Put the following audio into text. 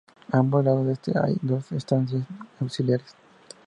A ambos lados de este hay dos estancias auxiliares.